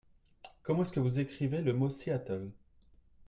Comment est-ce que vous écrivez le mot Seattle ?